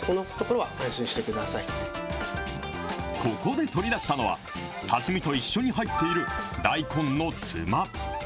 ここで取り出したのは、刺身と一緒に入っている大根のつま。